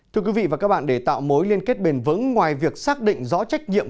thưa quý vị và các bạn để tạo mối liên kết bền vững ngoài việc xác định rõ trách nhiệm